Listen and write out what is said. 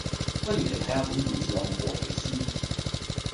不如你睇下本護照有冇過期先